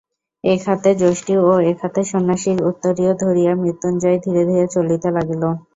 এক হাতে যষ্টি ও এক হাতে সন্ন্যাসীর উত্তরীয় ধরিয়া মৃত্যুঞ্জয় ধীরে ধীরে চলিতে লাগিল।